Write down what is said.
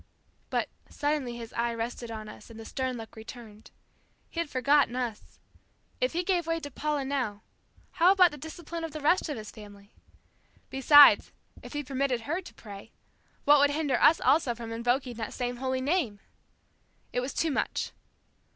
But suddenly his eye rested on us and the stern look returned. He had forgotten us. If he gave way to Paula now, how about the discipline of the rest of his family? Besides, if he permitted her to pray, what would hinder us also from invoking that same holy Name? It was too much.